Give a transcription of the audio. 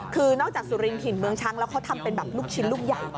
คือนอกจากสุรินถิ่นเมืองช้างแล้วเขาทำเป็นแบบลูกชิ้นลูกใหญ่